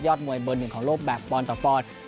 มวยเบอร์หนึ่งของโลกแบบปอนดต่อปอนด์